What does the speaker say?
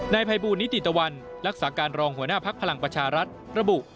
นายภัยบูลนิติตะวันรักษาการรองหัวหน้าภักดิ์พลังประชารัฐระบุ